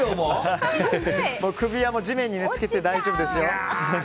首は地面につけて大丈夫ですよ。